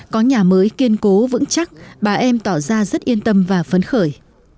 có nhà mới kiên cố vững chắc bà em tỏ ra rất yên tâm và phấn khởi